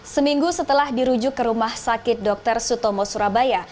seminggu setelah dirujuk ke rumah sakit dr sutomo surabaya